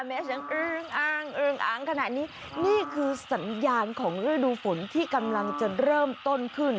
แม่ชายงงงขนาดนี้นี่คือสัญญาณของระดูฝนกำลังจะเริ่มต้นขึ้น